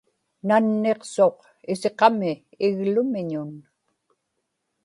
nanniqsuq isiqami iglumiñun